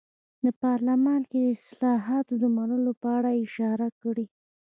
د پارلمان کې د اصلاحاتو د منلو په اړه یې اشاره کړې.